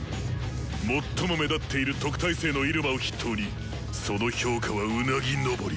最も目立っている特待生のイルマを筆頭にその評価はうなぎ登り！